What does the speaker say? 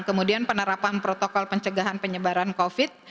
kemudian penerapan protokol pencegahan penyebaran covid sembilan belas